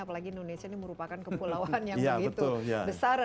apalagi indonesia ini merupakan kepulauan yang begitu besar